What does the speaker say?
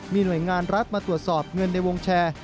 มีหน่วยงานรัฐมาตรวจสอบเงินในวงแชร์